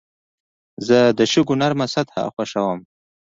زه د شګو نرمه سطحه خوښوم.